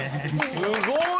すごい！